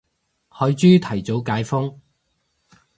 海珠提早解封